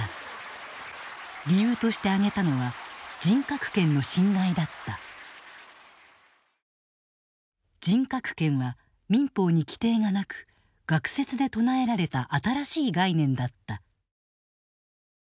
理由として挙げたのは人格権は民法に規定がなく学説で唱えられた新しい概念だった。